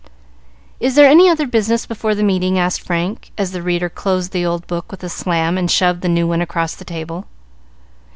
"Is there any other business before the meeting?" asked Frank, as the reader closed the old book with a slam and shoved the new one across the table.